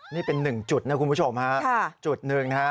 นี่เป็นหนึ่งจุดนะคุณผู้ชมฮะจุดหนึ่งนะฮะ